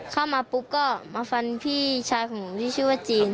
เข้ามาปุ๊บก็มาฟันพี่ชายของหนูที่ชื่อว่าจีน